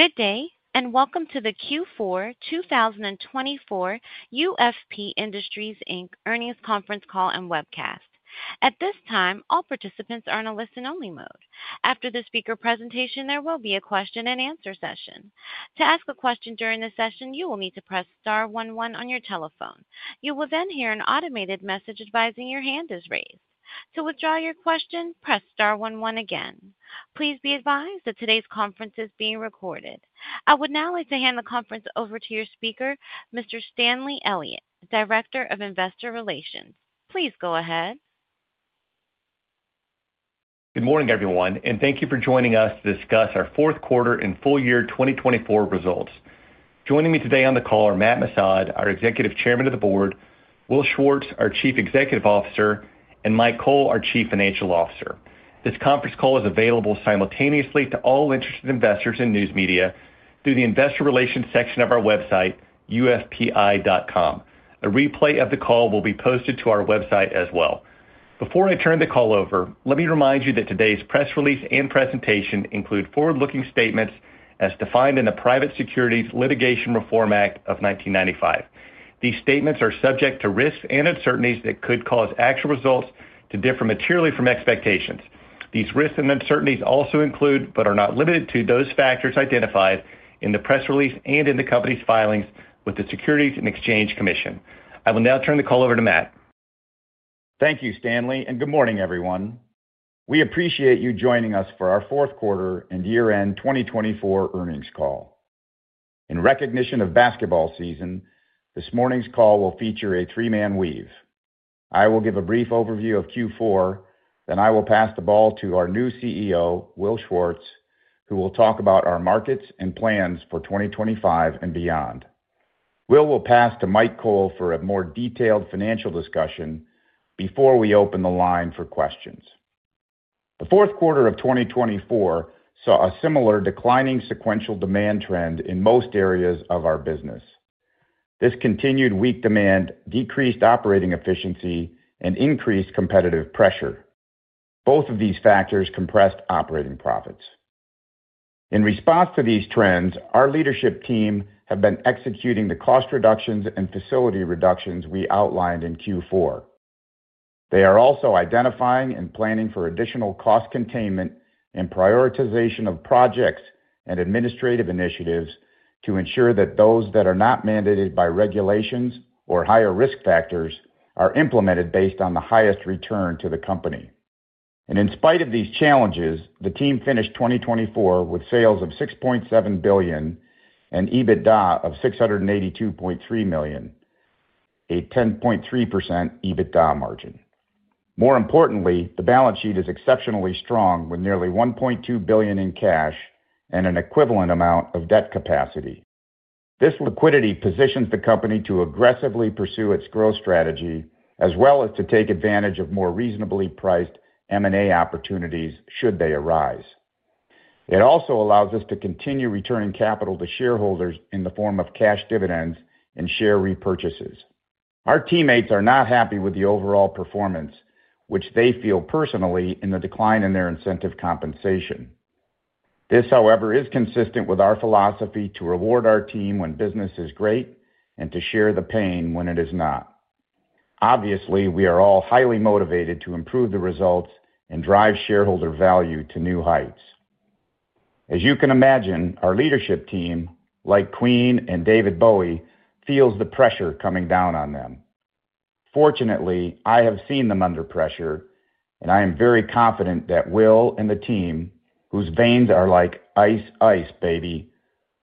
Good day, and welcome to the Q4 2024 UFP Industries, Inc. earnings conference call and webcast. At this time, all participants are in a listen-only mode. After the speaker presentation, there will be a question-and-answer session. To ask a question during the session, you will need to press star 11 on your telephone. You will then hear an automated message advising your hand is raised. To withdraw your question, press star 11 again. Please be advised that today's conference is being recorded. I would now like to hand the conference over to your speaker, Mr. Stanley Elliott, Director of Investor Relations. Please go ahead. Good morning, everyone, and thank you for joining us to discuss our fourth quarter and full year 2024 results. Joining me today on the call are Matt Missad, our Executive Chairman of the Board, Will Schwartz, our Chief Executive Officer, and Mike Cole, our Chief Financial Officer. This conference call is available simultaneously to all interested investors and news media through the Investor Relations section of our website, ufpi.com. A replay of the call will be posted to our website as well. Before I turn the call over, let me remind you that today's press release and presentation include forward-looking statements as defined in the Private Securities Litigation Reform Act of 1995. These statements are subject to risks and uncertainties that could cause actual results to differ materially from expectations. These risks and uncertainties also include, but are not limited to, those factors identified in the press release and in the company's filings with the Securities and Exchange Commission. I will now turn the call over to Matt. Thank you, Stanley, and good morning, everyone. We appreciate you joining us for our fourth quarter and year-end 2024 earnings call. In recognition of basketball season, this morning's call will feature a three-man weave. I will give a brief overview of Q4, then I will pass the ball to our new CEO, Will Schwartz, who will talk about our markets and plans for 2025 and beyond. Will will pass to Mike Cole for a more detailed financial discussion before we open the line for questions. The fourth quarter of 2024 saw a similar declining sequential demand trend in most areas of our business. This continued weak demand decreased operating efficiency and increased competitive pressure. Both of these factors compressed operating profits. In response to these trends, our leadership team has been executing the cost reductions and facility reductions we outlined in Q4. They are also identifying and planning for additional cost containment and prioritization of projects and administrative initiatives to ensure that those that are not mandated by regulations or higher risk factors are implemented based on the highest return to the company and in spite of these challenges, the team finished 2024 with sales of $6.7 billion and EBITDA of $682.3 million, a 10.3% EBITDA margin. More importantly, the balance sheet is exceptionally strong with nearly $1.2 billion in cash and an equivalent amount of debt capacity. This liquidity positions the company to aggressively pursue its growth strategy as well as to take advantage of more reasonably priced M&A opportunities should they arise. It also allows us to continue returning capital to shareholders in the form of cash dividends and share repurchases. Our teammates are not happy with the overall performance, which they feel personally in the decline in their incentive compensation. This, however, is consistent with our philosophy to reward our team when business is great and to share the pain when it is not. Obviously, we are all highly motivated to improve the results and drive shareholder value to new heights. As you can imagine, our leadership team, like Queen and David Bowie, feels the pressure coming down on them. Fortunately, I have seen them under pressure, and I am very confident that Will and the team, whose veins are like ice, ice, baby,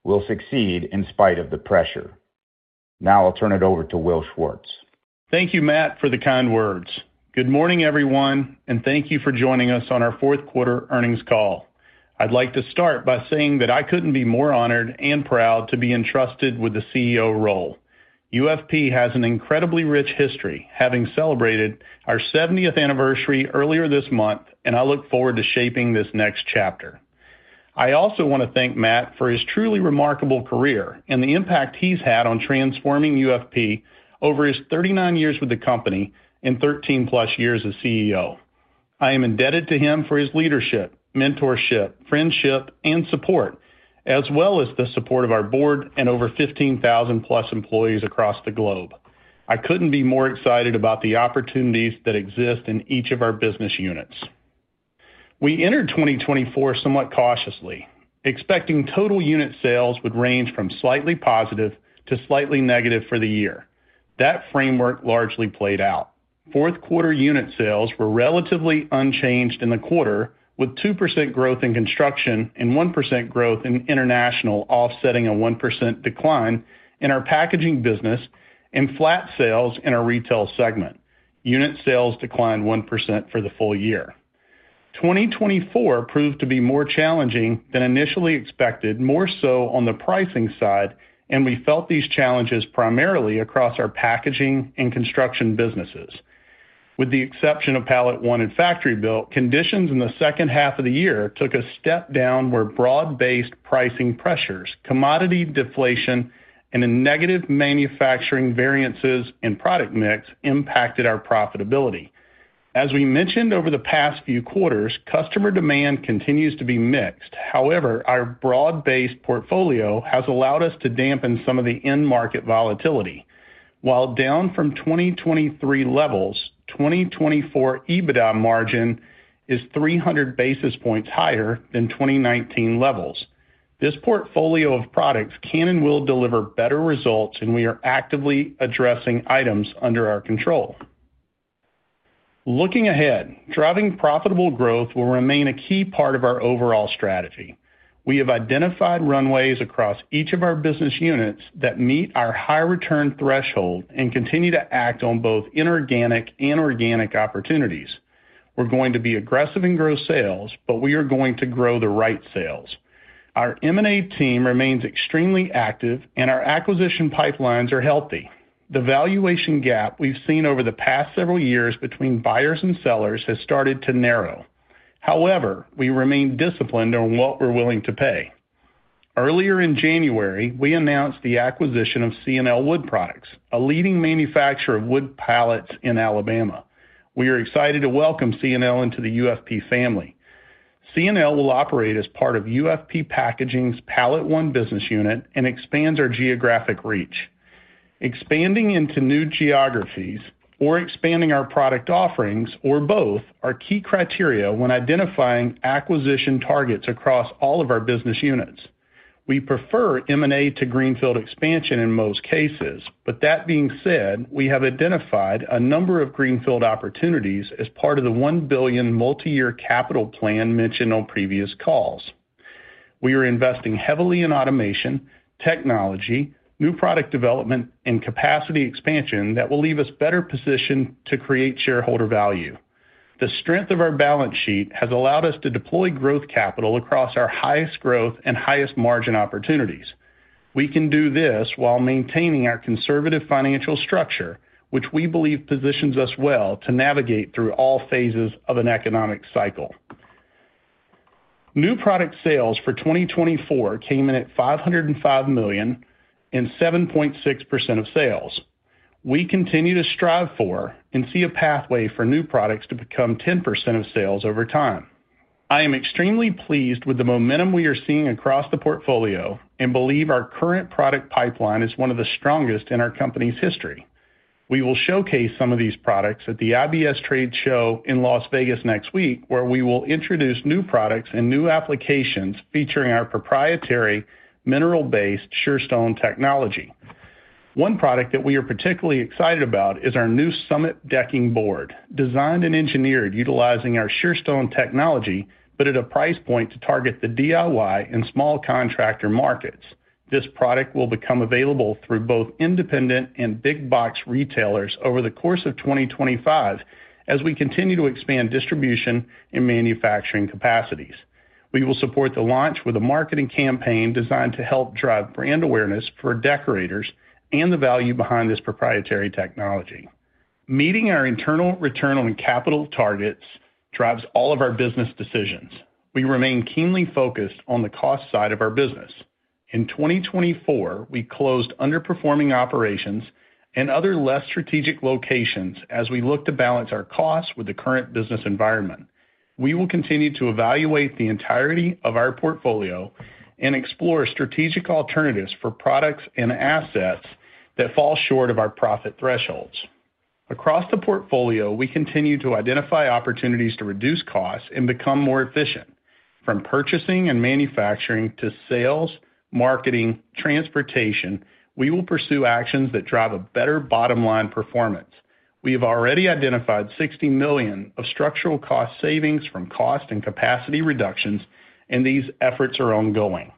will succeed in spite of the pressure. Now I'll turn it over to Will Schwartz. Thank you, Matt, for the kind words. Good morning, everyone, and thank you for joining us on our fourth quarter earnings call. I'd like to start by saying that I couldn't be more honored and proud to be entrusted with the CEO role. UFP has an incredibly rich history, having celebrated our 70th anniversary earlier this month, and I look forward to shaping this next chapter. I also want to thank Matt for his truly remarkable career and the impact he's had on transforming UFP over his 39 years with the company and 13-plus years as CEO. I am indebted to him for his leadership, mentorship, friendship, and support, as well as the support of our board and over 15,000-plus employees across the globe. I couldn't be more excited about the opportunities that exist in each of our business units. We entered 2024 somewhat cautiously, expecting total unit sales would range from slightly positive to slightly negative for the year. That framework largely played out. Fourth quarter unit sales were relatively unchanged in the quarter, with 2% growth in construction and 1% growth in international offsetting a 1% decline in our packaging business and flat sales in our retail segment. Unit sales declined 1% for the full year. 2024 proved to be more challenging than initially expected, more so on the pricing side, and we felt these challenges primarily across our packaging and construction businesses. With the exception of PalletOne and factory-built, conditions in the second half of the year took a step down where broad-based pricing pressures, commodity deflation, and negative manufacturing variances in product mix impacted our profitability. As we mentioned over the past few quarters, customer demand continues to be mixed. However, our broad-based portfolio has allowed us to dampen some of the end market volatility. While down from 2023 levels, 2024 EBITDA margin is 300 basis points higher than 2019 levels. This portfolio of products can and will deliver better results, and we are actively addressing items under our control. Looking ahead, driving profitable growth will remain a key part of our overall strategy. We have identified runways across each of our business units that meet our high return threshold and continue to act on both inorganic and organic opportunities. We're going to be aggressive in gross sales, but we are going to grow the right sales. Our M&A team remains extremely active, and our acquisition pipelines are healthy. The valuation gap we've seen over the past several years between buyers and sellers has started to narrow. However, we remain disciplined on what we're willing to pay. Earlier in January, we announced the acquisition of C&L Wood Products, a leading manufacturer of wood pallets in Alabama. We are excited to welcome C&L into the UFP family. C&L will operate as part of UFP Packaging's PalletOne business unit and expands our geographic reach. Expanding into new geographies or expanding our product offerings or both are key criteria when identifying acquisition targets across all of our business units. We prefer M&A to greenfield expansion in most cases, but that being said, we have identified a number of greenfield opportunities as part of the $1 billion multi-year capital plan mentioned on previous calls. We are investing heavily in automation, technology, new product development, and capacity expansion that will leave us better positioned to create shareholder value. The strength of our balance sheet has allowed us to deploy growth capital across our highest growth and highest margin opportunities. We can do this while maintaining our conservative financial structure, which we believe positions us well to navigate through all phases of an economic cycle. New product sales for 2024 came in at $505 million and 7.6% of sales. We continue to strive for and see a pathway for new products to become 10% of sales over time. I am extremely pleased with the momentum we are seeing across the portfolio and believe our current product pipeline is one of the strongest in our company's history. We will showcase some of these products at the IBS Trade Show in Las Vegas next week, where we will introduce new products and new applications featuring our proprietary mineral-based Shearstone technology. One product that we are particularly excited about is our new Summit Decking Board, designed and engineered utilizing our Shearstone technology, but at a price point to target the DIY and small contractor markets. This product will become available through both independent and big-box retailers over the course of 2025 as we continue to expand distribution and manufacturing capacities. We will support the launch with a marketing campaign designed to help drive brand awareness for Deckorators and the value behind this proprietary technology. Meeting our internal return on capital targets drives all of our business decisions. We remain keenly focused on the cost side of our business. In 2024, we closed underperforming operations and other less strategic locations as we looked to balance our costs with the current business environment. We will continue to evaluate the entirety of our portfolio and explore strategic alternatives for products and assets that fall short of our profit thresholds. Across the portfolio, we continue to identify opportunities to reduce costs and become more efficient. From purchasing and manufacturing to sales, marketing, transportation, we will pursue actions that drive a better bottom-line performance. We have already identified $60 million of structural cost savings from cost and capacity reductions, and these efforts are ongoing.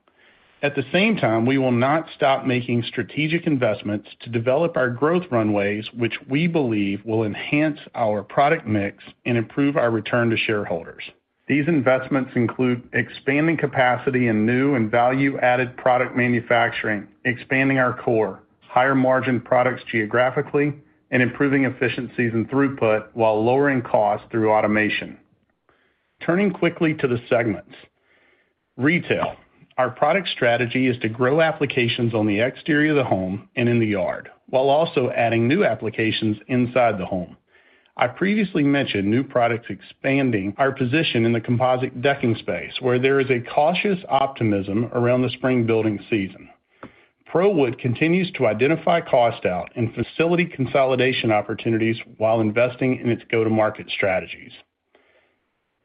At the same time, we will not stop making strategic investments to develop our growth runways, which we believe will enhance our product mix and improve our return to shareholders. These investments include expanding capacity in new and value-added product manufacturing, expanding our core, higher margin products geographically, and improving efficiencies and throughput while lowering costs through automation. Turning quickly to the segments, retail. Our product strategy is to grow applications on the exterior of the home and in the yard, while also adding new applications inside the home. I previously mentioned new products expanding our position in the composite decking space, where there is a cautious optimism around the spring building season. ProWood continues to identify cost out and facility consolidation opportunities while investing in its go-to-market strategies.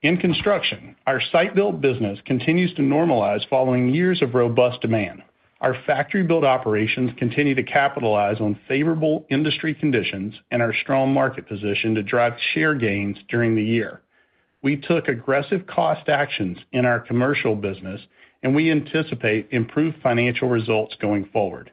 In construction, our site-built business continues to normalize following years of robust demand. Our factory-built operations continue to capitalize on favorable industry conditions and our strong market position to drive share gains during the year. We took aggressive cost actions in our commercial business, and we anticipate improved financial results going forward.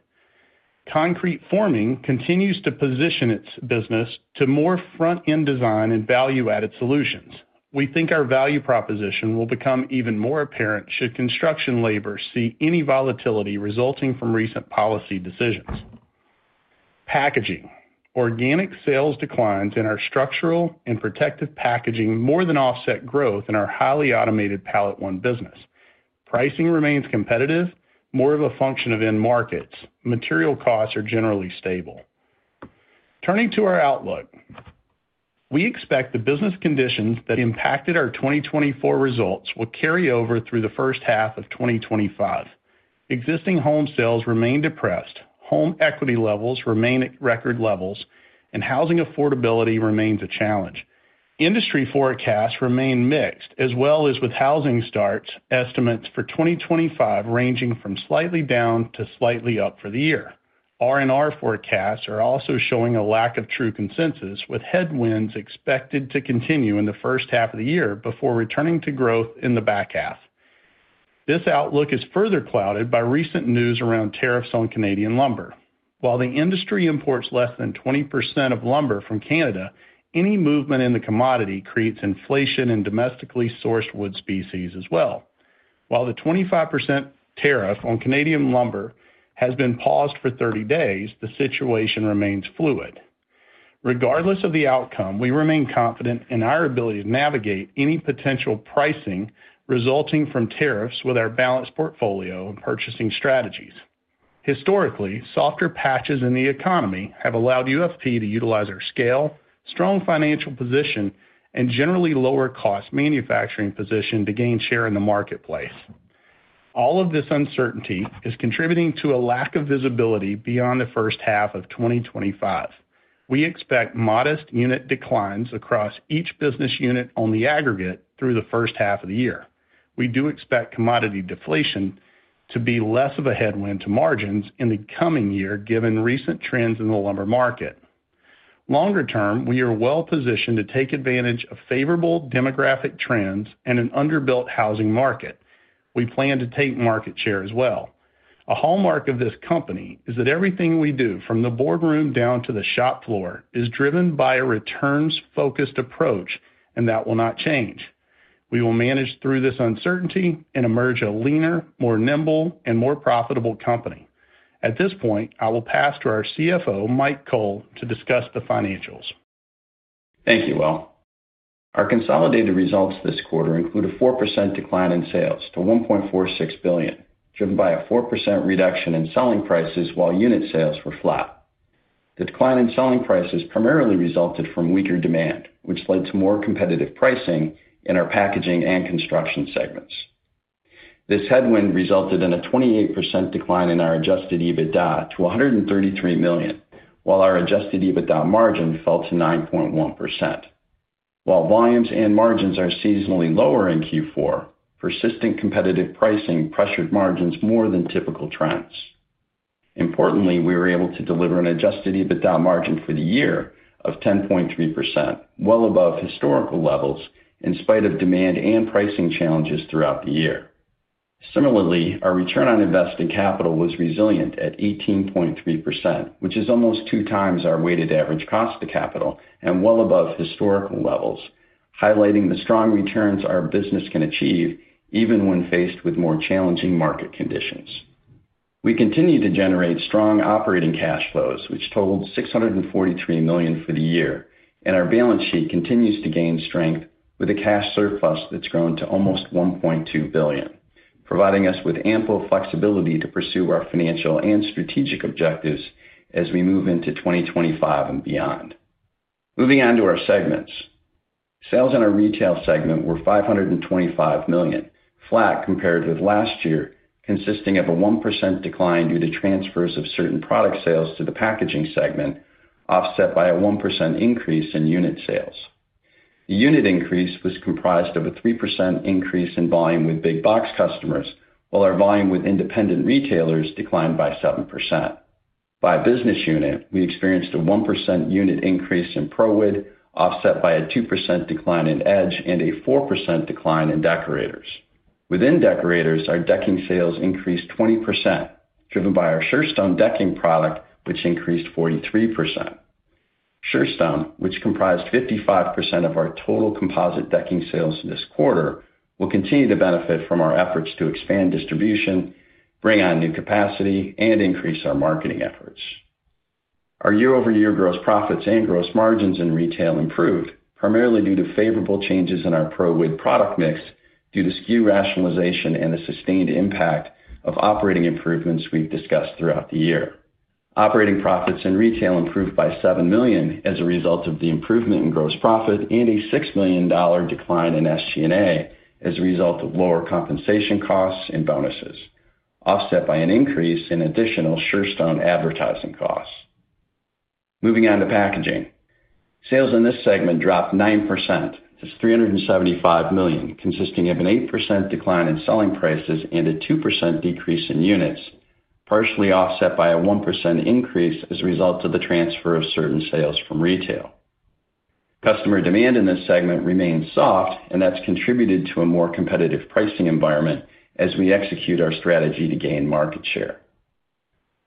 Concrete forming continues to position its business to more front-end design and value-added solutions. We think our value proposition will become even more apparent should construction labor see any volatility resulting from recent policy decisions. Packaging. Organic sales declines in our structural and protective packaging more than offset growth in our highly automated PalletOne business. Pricing remains competitive, more of a function of end markets. Material costs are generally stable. Turning to our outlook, we expect the business conditions that impacted our 2024 results will carry over through the first half of 2025. Existing home sales remain depressed, home equity levels remain at record levels, and housing affordability remains a challenge. Industry forecasts remain mixed, as well as with housing starts estimates for 2025 ranging from slightly down to slightly up for the year. R&R forecasts are also showing a lack of true consensus, with headwinds expected to continue in the first half of the year before returning to growth in the back half. This outlook is further clouded by recent news around tariffs on Canadian lumber. While the industry imports less than 20% of lumber from Canada, any movement in the commodity creates inflation in domestically sourced wood species as well. While the 25% tariff on Canadian lumber has been paused for 30 days, the situation remains fluid. Regardless of the outcome, we remain confident in our ability to navigate any potential pricing resulting from tariffs with our balanced portfolio and purchasing strategies. Historically, softer patches in the economy have allowed UFP to utilize our scale, strong financial position, and generally lower cost manufacturing position to gain share in the marketplace. All of this uncertainty is contributing to a lack of visibility beyond the first half of 2025. We expect modest unit declines across each business unit on the aggregate through the first half of the year. We do expect commodity deflation to be less of a headwind to margins in the coming year, given recent trends in the lumber market. Longer term, we are well positioned to take advantage of favorable demographic trends and an underbuilt housing market. We plan to take market share as well. A hallmark of this company is that everything we do from the boardroom down to the shop floor is driven by a returns-focused approach, and that will not change. We will manage through this uncertainty and emerge a leaner, more nimble, and more profitable company. At this point, I will pass to our CFO, Mike Cole, to discuss the financials. Thank you, Will. Our consolidated results this quarter include a 4% decline in sales to $1.46 billion, driven by a 4% reduction in selling prices while unit sales were flat. The decline in selling prices primarily resulted from weaker demand, which led to more competitive pricing in our packaging and construction segments. This headwind resulted in a 28% decline in our adjusted EBITDA to $133 million, while our adjusted EBITDA margin fell to 9.1%. While volumes and margins are seasonally lower in Q4, persistent competitive pricing pressured margins more than typical trends. Importantly, we were able to deliver an adjusted EBITDA margin for the year of 10.3%, well above historical levels in spite of demand and pricing challenges throughout the year. Similarly, our return on invested capital was resilient at 18.3%, which is almost two times our weighted average cost of capital and well above historical levels, highlighting the strong returns our business can achieve even when faced with more challenging market conditions. We continue to generate strong operating cash flows, which totaled $643 million for the year, and our balance sheet continues to gain strength with a cash surplus that's grown to almost $1.2 billion, providing us with ample flexibility to pursue our financial and strategic objectives as we move into 2025 and beyond. Moving on to our segments, sales in our retail segment were $525 million, flat compared with last year, consisting of a 1% decline due to transfers of certain product sales to the packaging segment, offset by a 1% increase in unit sales. The unit increase was comprised of a 3% increase in volume with big-box customers, while our volume with independent retailers declined by 7%. By business unit, we experienced a 1% unit increase in ProWood, offset by a 2% decline in Edge and a 4% decline in Deckorators. Within Deckorators, our decking sales increased 20%, driven by our Shearstone decking product, which increased 43%. Shearstone, which comprised 55% of our total composite decking sales this quarter, will continue to benefit from our efforts to expand distribution, bring on new capacity, and increase our marketing efforts. Our year-over-year gross profits and gross margins in retail improved, primarily due to favorable changes in our ProWood product mix due to SKU rationalization and the sustained impact of operating improvements we've discussed throughout the year. Operating profits in retail improved by $7 million as a result of the improvement in gross profit and a $6 million decline in SG&A as a result of lower compensation costs and bonuses, offset by an increase in additional Shearstone advertising costs. Moving on to packaging, sales in this segment dropped 9% to $375 million, consisting of an 8% decline in selling prices and a 2% decrease in units, partially offset by a 1% increase as a result of the transfer of certain sales from retail. Customer demand in this segment remains soft, and that's contributed to a more competitive pricing environment as we execute our strategy to gain market share.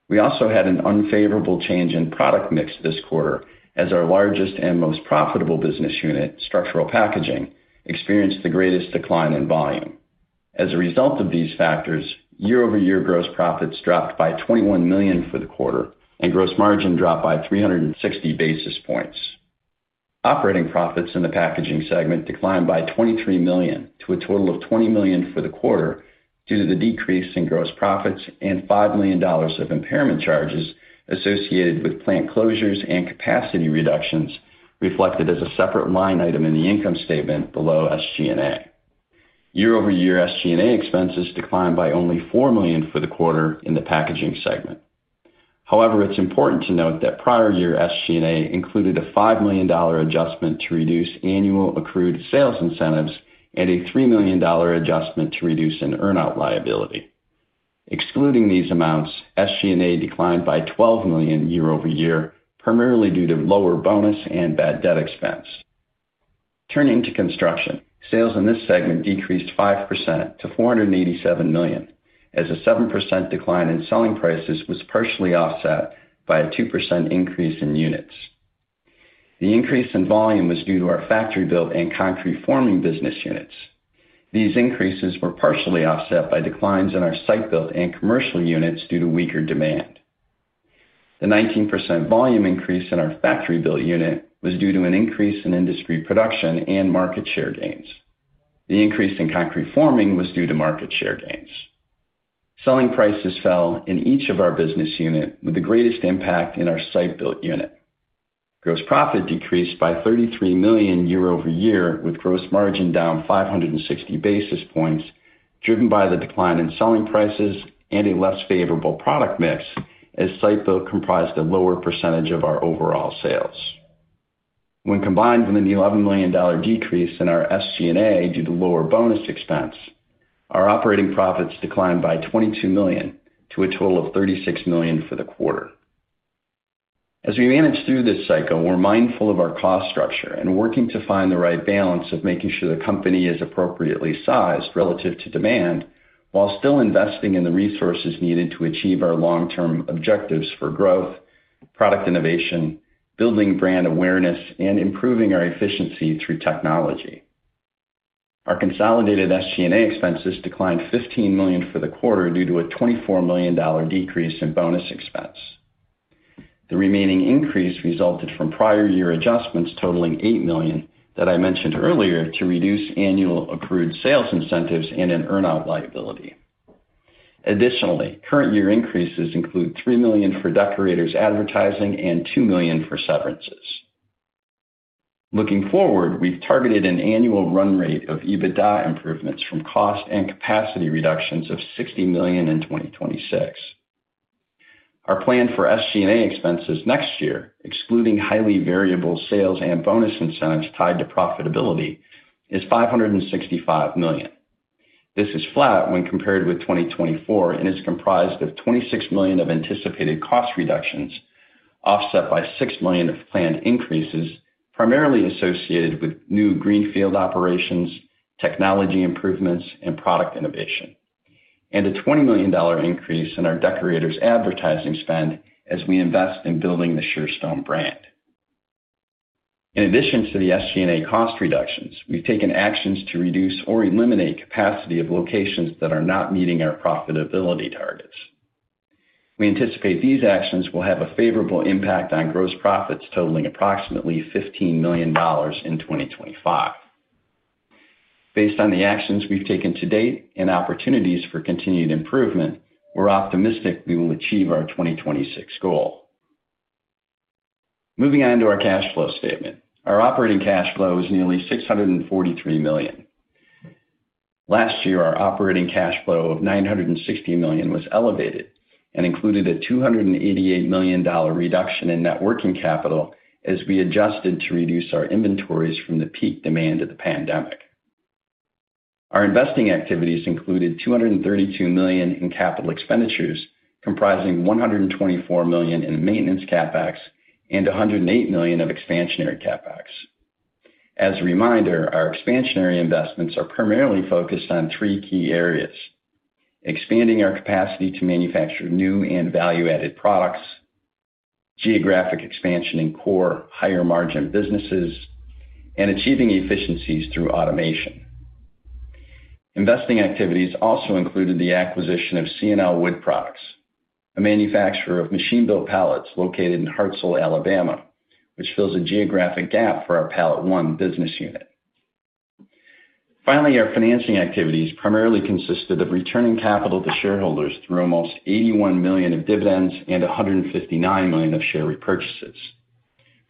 We also had an unfavorable change in product mix this quarter as our largest and most profitable business unit, structural packaging, experienced the greatest decline in volume. As a result of these factors, year-over-year gross profits dropped by $21 million for the quarter, and gross margin dropped by 360 basis points. Operating profits in the packaging segment declined by $23 million to a total of $20 million for the quarter due to the decrease in gross profits and $5 million of impairment charges associated with plant closures and capacity reductions reflected as a separate line item in the income statement below SG&A. Year-over-year SG&A expenses declined by only $4 million for the quarter in the packaging segment. However, it's important to note that prior year SG&A included a $5 million adjustment to reduce annual accrued sales incentives and a $3 million adjustment to reduce an earn-out liability. Excluding these amounts, SG&A declined by $12 million year-over-year, primarily due to lower bonus and bad debt expense. Turning to construction, sales in this segment decreased 5% to $487 million, as a 7% decline in selling prices was partially offset by a 2% increase in units. The increase in volume was due to our factory-built and concrete-forming business units. These increases were partially offset by declines in our site-built and commercial units due to weaker demand. The 19% volume increase in our factory-built unit was due to an increase in industry production and market share gains. The increase in concrete forming was due to market share gains. Selling prices fell in each of our business units, with the greatest impact in our site-built unit. Gross profit decreased by $33 million year-over-year, with gross margin down 560 basis points, driven by the decline in selling prices and a less favorable product mix, as site-built comprised a lower percentage of our overall sales. When combined with an $11 million decrease in our SG&A due to lower bonus expense, our operating profits declined by $22 million to a total of $36 million for the quarter. As we manage through this cycle, we're mindful of our cost structure and working to find the right balance of making sure the company is appropriately sized relative to demand while still investing in the resources needed to achieve our long-term objectives for growth, product innovation, building brand awareness, and improving our efficiency through technology. Our consolidated SG&A expenses declined $15 million for the quarter due to a $24 million decrease in bonus expense. The remaining increase resulted from prior year adjustments totaling $8 million that I mentioned earlier to reduce annual accrued sales incentives and an earn-out liability. Additionally, current year increases include $3 million for Deckorators advertising and $2 million for severances. Looking forward, we've targeted an annual run rate of EBITDA improvements from cost and capacity reductions of $60 million in 2026. Our plan for SG&A expenses next year, excluding highly variable sales and bonus incentives tied to profitability, is $565 million. This is flat when compared with 2024 and is comprised of $26 million of anticipated cost reductions, offset by $6 million of planned increases primarily associated with new greenfield operations, technology improvements, and product innovation, and a $20 million increase in our Deckorators advertising spend as we invest in building the Shearstone brand. In addition to the SG&A cost reductions, we've taken actions to reduce or eliminate capacity of locations that are not meeting our profitability targets. We anticipate these actions will have a favorable impact on gross profits totaling approximately $15 million in 2025. Based on the actions we've taken to date and opportunities for continued improvement, we're optimistic we will achieve our 2026 goal. Moving on to our cash flow statement, our operating cash flow is nearly $643 million. Last year, our operating cash flow of $960 million was elevated and included a $288 million reduction in net working capital as we adjusted to reduce our inventories from the peak demand of the pandemic. Our investing activities included $232 million in capital expenditures, comprising $124 million in maintenance CapEx and $108 million of expansionary CapEx. As a reminder, our expansionary investments are primarily focused on three key areas: expanding our capacity to manufacture new and value-added products, geographic expansion in core, higher-margin businesses, and achieving efficiencies through automation. Investing activities also included the acquisition of C&L Wood Products, a manufacturer of machine-built pallets located in Hartselle, Alabama, which fills a geographic gap for our PalletOne business unit. Finally, our financing activities primarily consisted of returning capital to shareholders through almost $81 million of dividends and $159 million of share repurchases.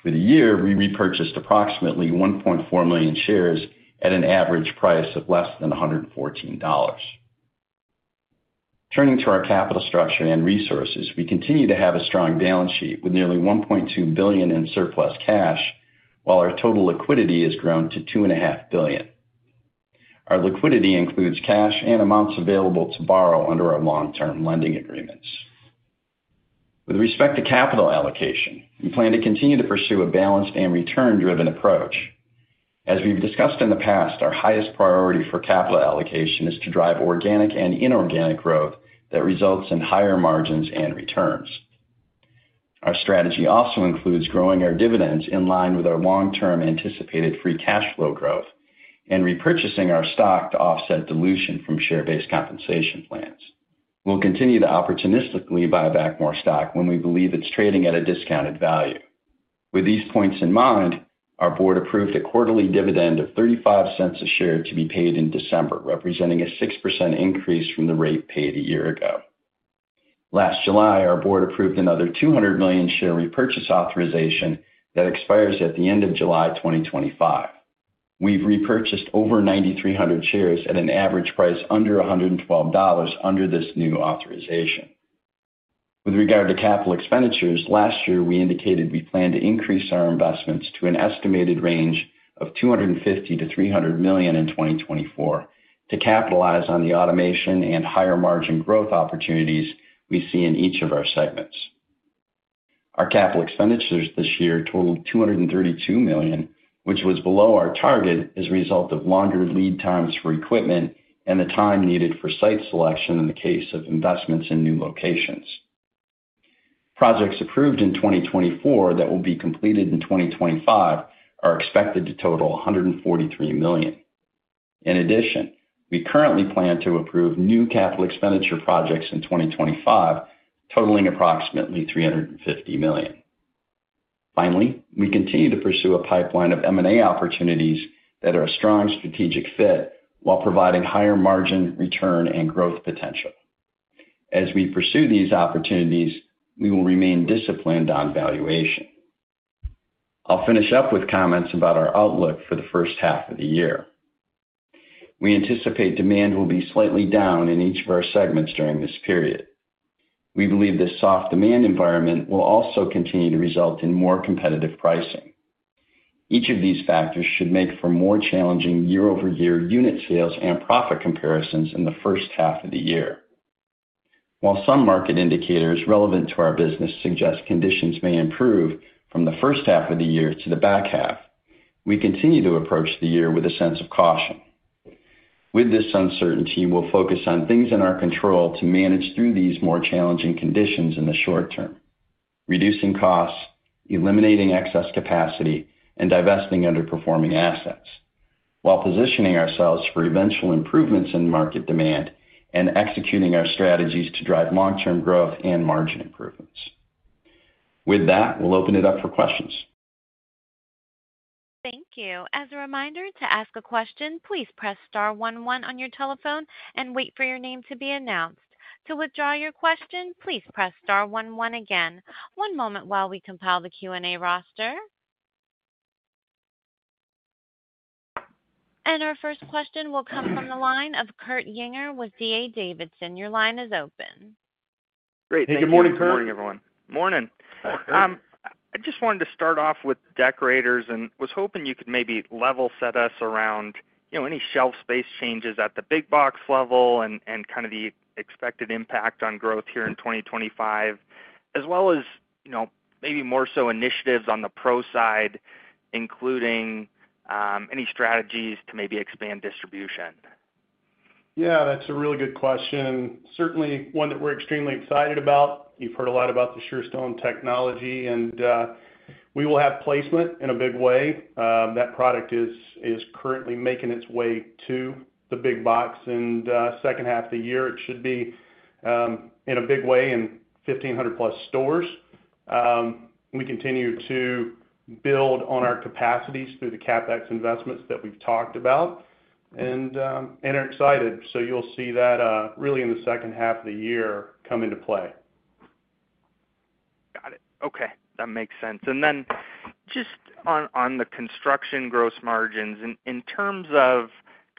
For the year, we repurchased approximately 1.4 million shares at an average price of less than $114. Turning to our capital structure and resources, we continue to have a strong balance sheet with nearly $1.2 billion in surplus cash, while our total liquidity has grown to $2.5 billion. Our liquidity includes cash and amounts available to borrow under our long-term lending agreements. With respect to capital allocation, we plan to continue to pursue a balanced and return-driven approach. As we've discussed in the past, our highest priority for capital allocation is to drive organic and inorganic growth that results in higher margins and returns. Our strategy also includes growing our dividends in line with our long-term anticipated free cash flow growth and repurchasing our stock to offset dilution from share-based compensation plans. We'll continue to opportunistically buy back more stock when we believe it's trading at a discounted value. With these points in mind, our board approved a quarterly dividend of $0.35 a share to be paid in December, representing a 6% increase from the rate paid a year ago. Last July, our board approved another $200 million share repurchase authorization that expires at the end of July 2025. We've repurchased over 9,300 shares at an average price under $112 under this new authorization. With regard to capital expenditures, last year, we indicated we plan to increase our investments to an estimated range of $250-$300 million in 2024 to capitalize on the automation and higher-margin growth opportunities we see in each of our segments. Our capital expenditures this year totaled $232 million, which was below our target as a result of longer lead times for equipment and the time needed for site selection in the case of investments in new locations. Projects approved in 2024 that will be completed in 2025 are expected to total $143 million. In addition, we currently plan to approve new capital expenditure projects in 2025, totaling approximately $350 million. Finally, we continue to pursue a pipeline of M&A opportunities that are a strong strategic fit while providing higher margin return and growth potential. As we pursue these opportunities, we will remain disciplined on valuation. I'll finish up with comments about our outlook for the first half of the year. We anticipate demand will be slightly down in each of our segments during this period. We believe this soft demand environment will also continue to result in more competitive pricing. Each of these factors should make for more challenging year-over-year unit sales and profit comparisons in the first half of the year. While some market indicators relevant to our business suggest conditions may improve from the first half of the year to the back half, we continue to approach the year with a sense of caution. With this uncertainty, we'll focus on things in our control to manage through these more challenging conditions in the short term, reducing costs, eliminating excess capacity, and divesting underperforming assets, while positioning ourselves for eventual improvements in market demand and executing our strategies to drive long-term growth and margin improvements. With that, we'll open it up for questions. Thank you. As a reminder, to ask a question, please press star 11 on your telephone and wait for your name to be announced. To withdraw your question, please press star 11 again. One moment while we compile the Q&A roster. And our first question will come from the line of Kurt Yinger with D.A. Davidson. Your line is open. Great. Thank you. Hey, good morning, Kurt. Good morning, everyone. Morning. I just wanted to start off with Deckorators and was hoping you could maybe level set us around any shelf space changes at the big-box level and kind of the expected impact on growth here in 2025, as well as maybe more so initiatives on the pro side, including any strategies to maybe expand distribution. Yeah, that's a really good question. Certainly one that we're extremely excited about. You've heard a lot about the Shearstone technology, and we will have placement in a big way. That product is currently making its way to the big-box in the second half of the year. It should be in a big way in 1,500-plus stores. We continue to build on our capacities through the Capex investments that we've talked about and are excited. So you'll see that really in the second half of the year come into play. Got it. Okay. That makes sense. And then just on the construction gross margins, in terms of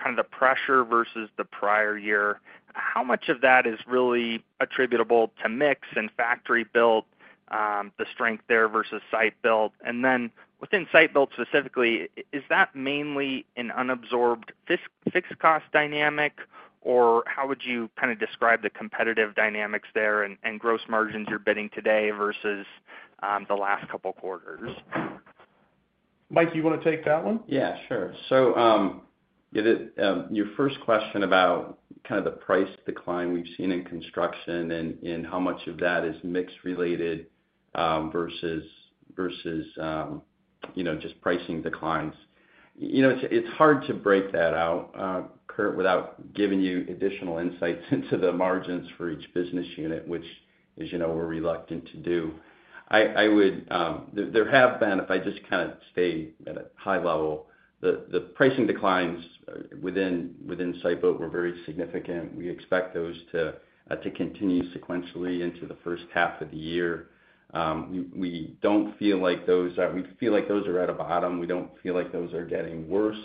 kind of the pressure versus the prior year, how much of that is really attributable to mix and factory-built, the strength there versus site-built? And then within site-built specifically, is that mainly an unabsorbed fixed cost dynamic, or how would you kind of describe the competitive dynamics there and gross margins you're bidding today versus the last couple of quarters? Mike, you want to take that one? Yeah, sure. So your first question about kind of the price decline we've seen in construction and how much of that is mixed-related versus just pricing declines, it's hard to break that out, Kurt, without giving you additional insights into the margins for each business unit, which, as you know, we're reluctant to do. There have been, if I just kind of stay at a high level, the pricing declines within site-built were very significant. We expect those to continue sequentially into the first half of the year. We don't feel like those are. We feel like those are at a bottom. We don't feel like those are getting worse,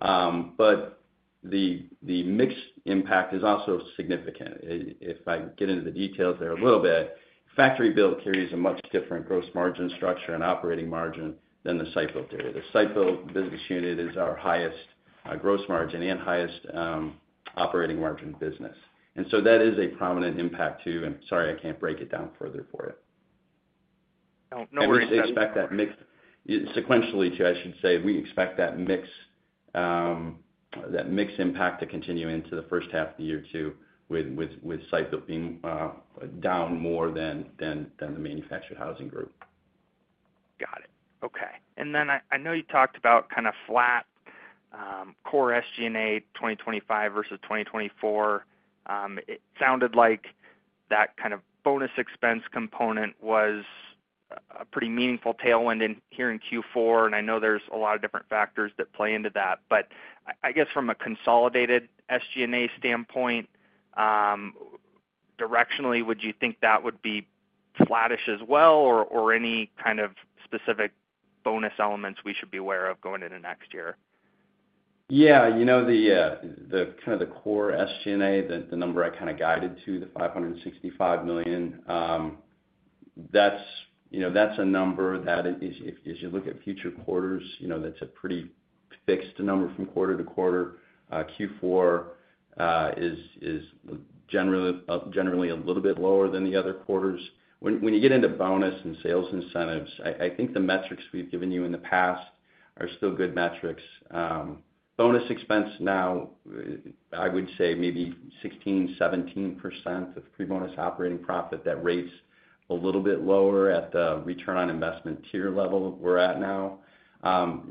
but the mixed impact is also significant. If I get into the details there a little bit, factory-built carries a much different gross margin structure and operating margin than the site-built area. The site-built business unit is our highest gross margin and highest operating margin business, and so that is a prominent impact too, and sorry, I can't break it down further for you. And we expect that mixed, sequentially, too, I should say, we expect that mixed impact to continue into the first half of the year too, with site-built being down more than the manufactured housing group. Got it. Okay. And then I know you talked about kind of flat core SG&A 2025 versus 2024. It sounded like that kind of bonus expense component was a pretty meaningful tailwind here in Q4. And I know there's a lot of different factors that play into that. But I guess from a consolidated SG&A standpoint, directionally, would you think that would be flattish as well, or any kind of specific bonus elements we should be aware of going into next year? Yeah. The kind of the core SG&A, the number I kind of guided to, the $565 million, that's a number that, as you look at future quarters, that's a pretty fixed number from quarter to quarter. Q4 is generally a little bit lower than the other quarters. When you get into bonus and sales incentives, I think the metrics we've given you in the past are still good metrics. Bonus expense now, I would say maybe 16%-17% of pre-bonus operating profit. That rates a little bit lower at the return on investment tier level we're at now.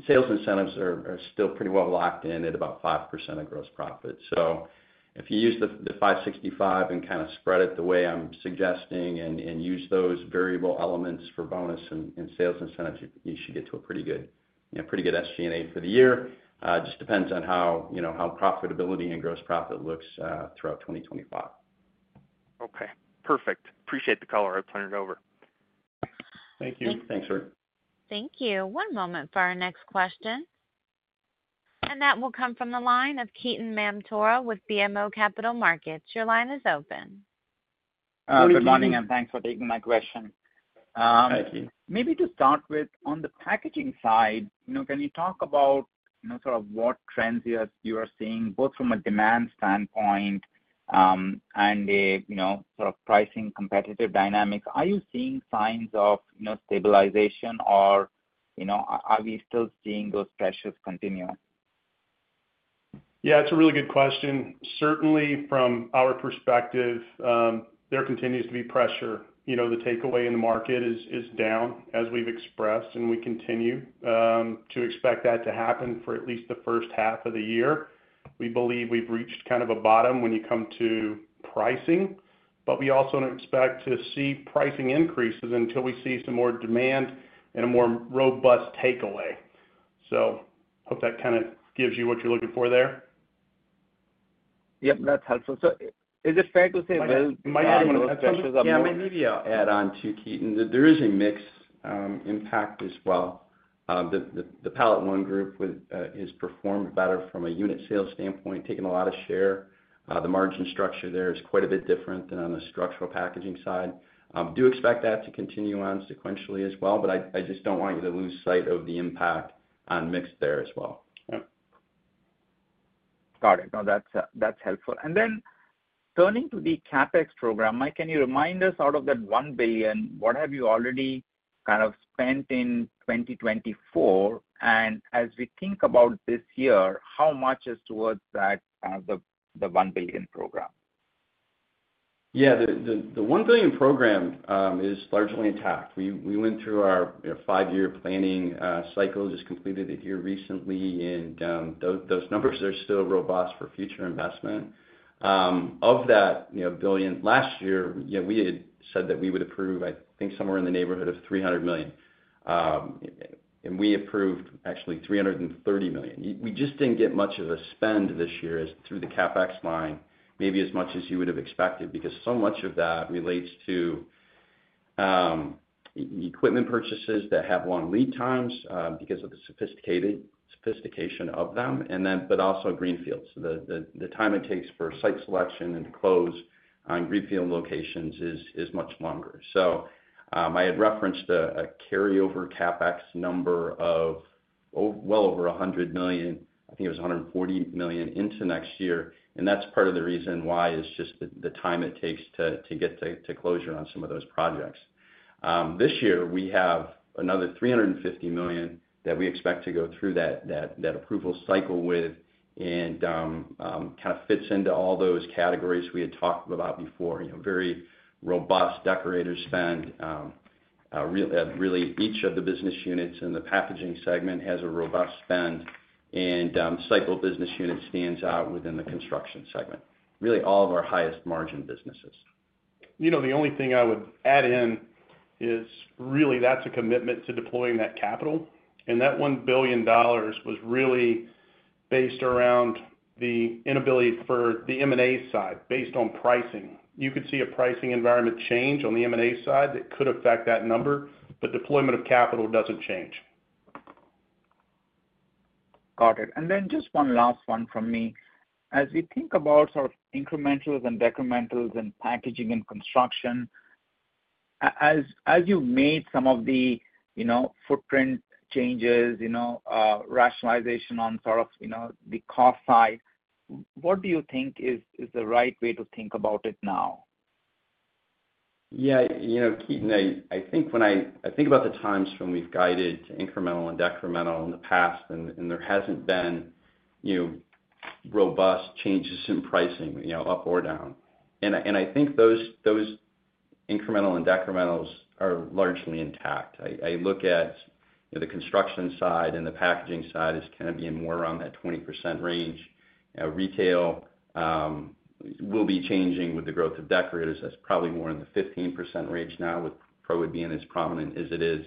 Sales incentives are still pretty well locked in at about 5% of gross profit. So if you use the $565 and kind of spread it the way I'm suggesting and use those variable elements for bonus and sales incentives, you should get to a pretty good SG&A for the year. Just depends on how profitability and gross profit looks throughout 2025. Okay. Perfect. Appreciate the call. I'll turn it over. Thank you. Thanks, Kurt. Thank you. One moment for our next question. That will come from the line of Ketan Mamtora with BMO Capital Markets. Your line is open. Good morning, and thanks for taking my question. Thank you. Maybe to start with, on the packaging side, can you talk about sort of what trends you are seeing, both from a demand standpoint and a sort of pricing competitive dynamic? Are you seeing signs of stabilization, or are we still seeing those pressures continue? Yeah, it's a really good question. Certainly, from our perspective, there continues to be pressure. The takeaway in the market is down, as we've expressed, and we continue to expect that to happen for at least the first half of the year. We believe we've reached kind of a bottom when you come to pricing, but we also don't expect to see pricing increases until we see some more demand and a more robust takeaway. So I hope that kind of gives you what you're looking for there. Yep, that's helpful. So is it fair to say, well, my other one of the questions I'm going to. Yeah, maybe I'll add on too, Ketan. There is a mixed impact as well. The PalletOne group has performed better from a unit sales standpoint, taking a lot of share. The margin structure there is quite a bit different than on the structural packaging side. Do expect that to continue on sequentially as well, but I just don't want you to lose sight of the impact on mixed there as well. Got it. No, that's helpful. Then turning to the CapEx program, Mike, can you remind us, out of that $1 billion, what have you already kind of spent in 2024? And as we think about this year, how much is towards that kind of the $1 billion program? Yeah, the $1 billion program is largely intact. We went through our five-year planning cycle, just completed it here recently, and those numbers are still robust for future investment. Of that billion last year, we had said that we would approve, I think, somewhere in the neighborhood of $300 million. And we approved, actually, $330 million. We just didn't get much of a spend this year through the CapEx line, maybe as much as you would have expected, because so much of that relates to equipment purchases that have long lead times because of the sophistication of them, but also greenfields. The time it takes for site selection and to close on greenfield locations is much longer, so I had referenced a carryover CapEx number of well over $100 million. I think it was $140 million into next year, and that's part of the reason why is just the time it takes to get to closure on some of those projects. This year, we have another $350 million that we expect to go through that approval cycle with and kind of fits into all those categories we had talked about before. Very robust Deckorators spend. Really, each of the business units in the packaging segment has a robust spend, and Deckorators business unit stands out within the construction segment. Really, all of our highest margin businesses. The only thing I would add in is really that's a commitment to deploying that capital. And that $1 billion was really based around the inability for the M&A side, based on pricing. You could see a pricing environment change on the M&A side that could affect that number, but deployment of capital doesn't change. Got it. And then just one last one from me. As we think about sort of incrementals and decrementals in packaging and construction, as you've made some of the footprint changes, rationalization on sort of the cost side, what do you think is the right way to think about it now? Yeah, Ketan, I think when I think about the times when we've guided incremental and decremental in the past, and there hasn't been robust changes in pricing up or down. And I think those incremental and decrementals are largely intact. I look at the construction side and the packaging side as kind of being more around that 20% range. Retail will be changing with the growth of Deckorators. That's probably more in the 15% range now, with ProWood being as prominent as it is.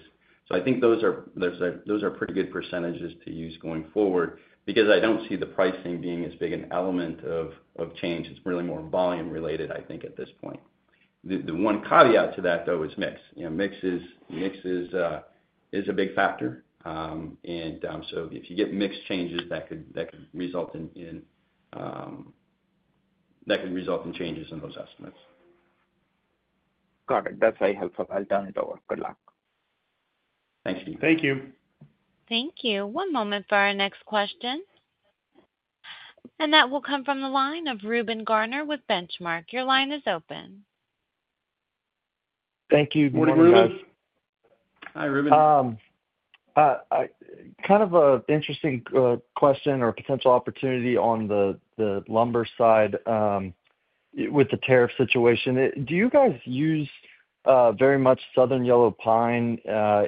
So I think those are pretty good percentages to use going forward because I don't see the pricing being as big an element of change. It's really more volume-related, I think, at this point. The one caveat to that, though, is mix. Mix is a big factor, and so if you get mixed changes, that could result in changes in those estimates. Got it. That's very helpful. I'll turn it over. Good luck. Thanks, Ketan. Thank you. Thank you. One moment for our next question, and that will come from the line of Reuben Garner with Benchmark. Your line is open. Thank you. Good morning, Reuben. Hi, Reuben. Kind of an interesting question or potential opportunity on the lumber side with the tariff situation. Do you guys use very much Southern Yellow Pine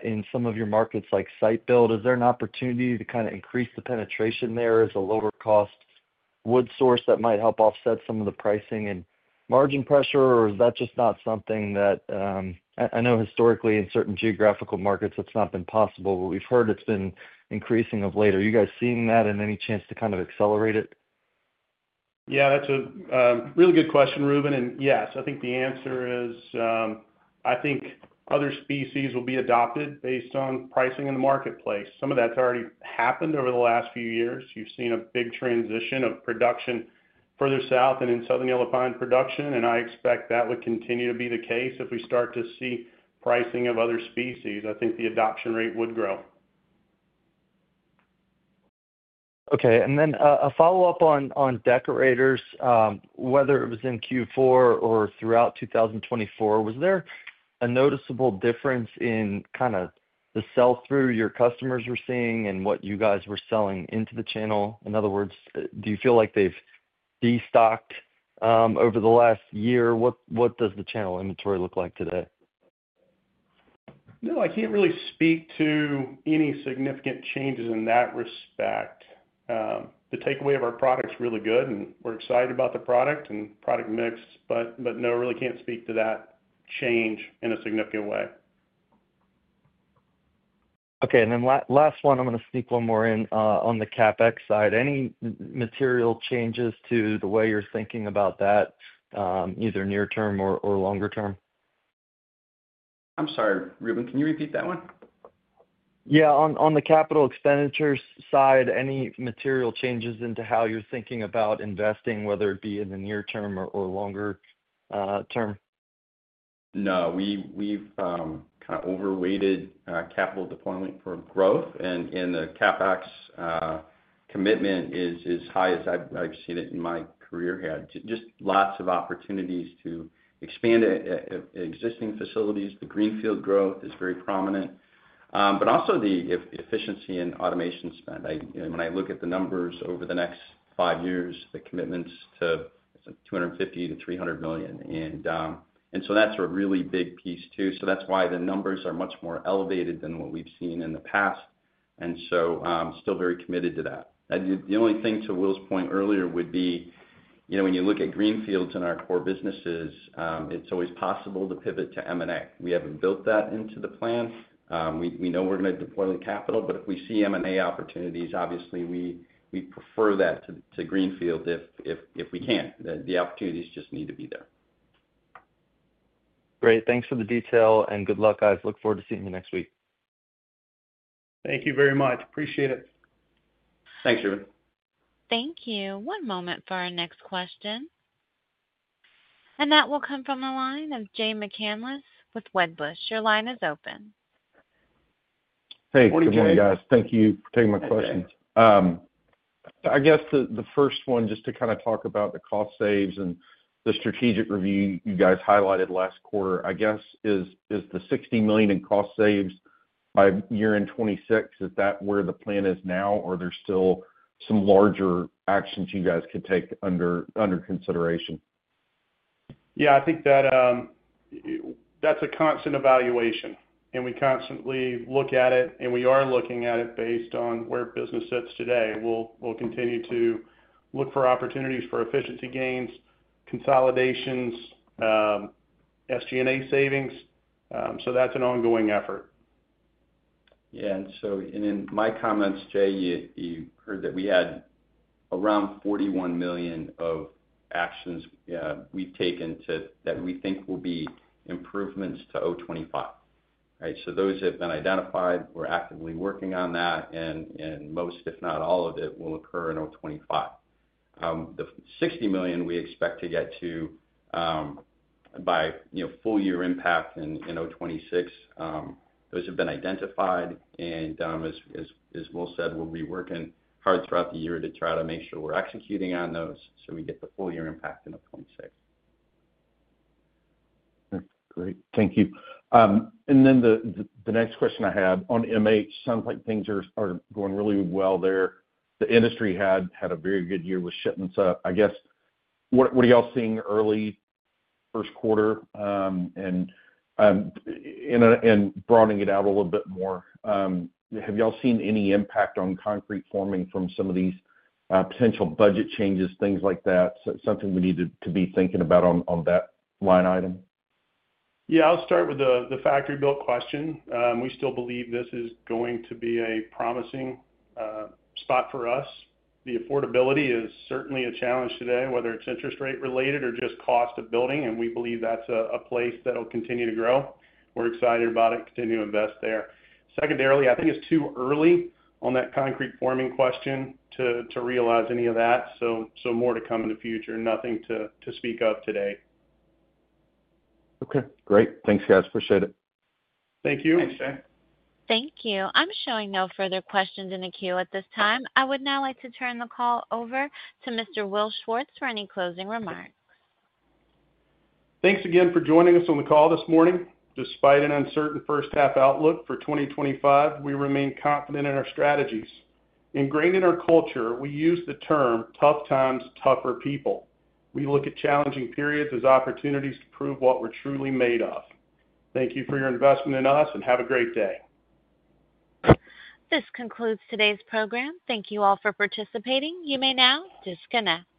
in some of your markets like site-built? Is there an opportunity to kind of increase the penetration there as a lower-cost wood source that might help offset some of the pricing and margin pressure? Or is that just not something that I know historically in certain geographical markets, it's not been possible, but we've heard it's been increasing of late. Are you guys seeing that and any chance to kind of accelerate it? Yeah, that's a really good question, Reuben, and yes, I think the answer is I think other species will be adopted based on pricing in the marketplace. Some of that's already happened over the last few years. You've seen a big transition of production further south and in Southern Yellow Pine production. And I expect that would continue to be the case if we start to see pricing of other species. I think the adoption rate would grow. Okay. And then a follow-up on Deckorators, whether it was in Q4 or throughout 2024, was there a noticeable difference in kind of the sell-through your customers were seeing and what you guys were selling into the channel? In other words, do you feel like they've destocked over the last year? What does the channel inventory look like today? No, I can't really speak to any significant changes in that respect. The takeaway of our product is really good, and we're excited about the product and product mix, but no, I really can't speak to that change in a significant way. Okay. And then last one, I'm going to sneak one more in on the CapEx side. Any material changes to the way you're thinking about that, either near-term or longer-term? I'm sorry, Reuben. Can you repeat that one? Yeah. On the capital expenditures side, any material changes into how you're thinking about investing, whether it be in the near-term or longer-term? No. We've kind of overweighted capital deployment for growth, and the CapEx commitment is as high as I've seen it in my career here. Just lots of opportunities to expand existing facilities. The greenfield growth is very prominent, but also the efficiency and automation spend. When I look at the numbers over the next five years, the commitments to $250 million-$300 million. And so that's a really big piece too. So that's why the numbers are much more elevated than what we've seen in the past. And so still very committed to that. The only thing to Will's point earlier would be when you look at greenfields in our core businesses, it's always possible to pivot to M&A. We haven't built that into the plan. We know we're going to deploy the capital, but if we see M&A opportunities, obviously, we prefer that to greenfield if we can. The opportunities just need to be there. Great. Thanks for the detail, and good luck, guys. Look forward to seeing you next week. Thank you very much. Appreciate it. Thanks, Reuben. Thank you. One moment for our next question, and that will come from the line of Jay McCanless with Wedbush. Your line is open. Hey, Good morning, guys. Thank you for taking my questions. I guess the first one, just to kind of talk about the cost savings and the strategic review you guys highlighted last quarter, I guess, is the $60 million in cost savings by year-end 2026. Is that where the plan is now, or are there still some larger actions you guys could take under consideration? Yeah, I think that's a constant evaluation. And we constantly look at it, and we are looking at it based on where business sits today. We'll continue to look for opportunities for efficiency gains, consolidations, SG&A savings. So that's an ongoing effort. Yeah. And in my comments, Jay, you heard that we had around $41 million of actions we've taken that we think will be improvements to 2025. Right? So those have been identified. We're actively working on that, and most, if not all of it, will occur in 2025. The $60 million we expect to get to by full-year impact in 2026, those have been identified. And as Will said, we'll be working hard throughout the year to try to make sure we're executing on those so we get the full-year impact in 2026. Great. Thank you. And then the next question I have on MH, it sounds like things are going really well there. The industry had a very good year with shipments. I guess, what are y'all seeing early first quarter? And broadening it out a little bit more, have y'all seen any impact on concrete forming from some of these potential budget changes, things like that? Something we need to be thinking about on that line item? Yeah, I'll start with the factory-built question. We still believe this is going to be a promising spot for us. The affordability is certainly a challenge today, whether it's interest rate-related or just cost of building, and we believe that's a place that will continue to grow. We're excited about it and continue to invest there. Secondarily, I think it's too early on that concrete forming question to realize any of that, so more to come in the future. Nothing to speak of today. Okay. Great. Thanks, guys. Appreciate it. Thank you. Thanks, Jay. Thank you. I'm showing no further questions in the queue at this time. I would now like to turn the call over to Mr. Will Schwartz for any closing remarks. Thanks again for joining us on the call this morning. Despite an uncertain first-half outlook for 2025, we remain confident in our strategies. Ingrained in our culture, we use the term, "Tough times, tougher people." We look at challenging periods as opportunities to prove what we're truly made of. Thank you for your investment in us, and have a great day. This concludes today's program. Thank you all for participating. You may now disconnect.